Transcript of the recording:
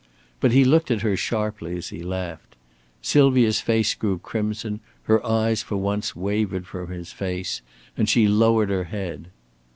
But he looked at her sharply as he laughed. Sylvia's face grew crimson, her eyes for once wavered from his face, and she lowered her head.